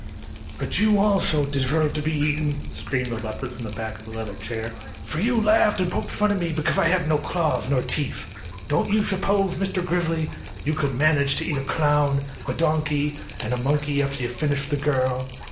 "But you also deserve to be eaten," screamed the leopard from the back of the leather chair; "for you laughed and poked fun at me because I had no claws nor teeth! Don't you suppose Mr. Grizzly, you could manage to eat a clown, a donkey and a monkey after you finish the girl?"